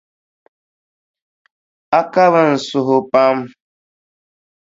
A kabi n suhu pam.